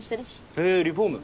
へぇリフォーム？